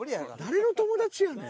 誰の友達やねん。